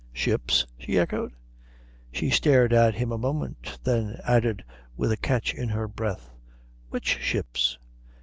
"Ships?" she echoed. She stared at him a moment, then added with a catch in her breath: "Which ships?"